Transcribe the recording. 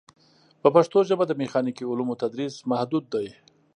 په پښتو ژبه د میخانیکي علومو تدریس محدود دی.